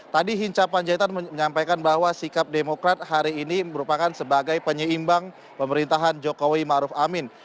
tadi hinca panjaitan menyampaikan bahwa sikap demokrat hari ini merupakan sebagai penyeimbang pemerintahan jokowi maruf amin